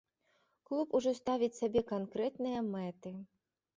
Клуб ужо ставіць сабе канкрэтныя мэты.